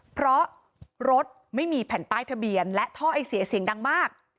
เพราะรถไม่มีแผ่นป้ายทะเบียนและท่อไอเสียเสียงดังมาก